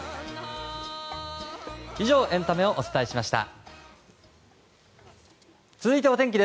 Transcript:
以上、エンタメをお伝えしました。